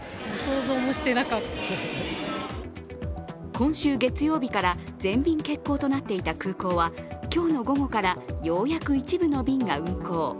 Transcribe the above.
今週月曜日から全便欠航となっていた空港は今日の午後からようやく一部の便が運航。